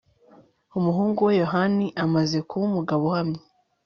umuhungu we yohani amaze kuba umugabo uhamye